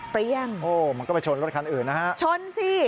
โอ้มันก็ไปชนรถคันอื่นนะฮะชนสิ